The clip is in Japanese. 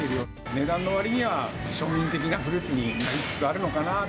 値段のわりには、庶民的なフルーツになりつつあるのかな。